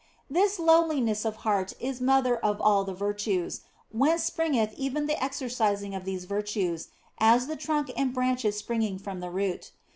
This lowliness of heart is mother of all the virtues, whence springeth even the exercising of these virtues, as the trunk and branches spring from the root.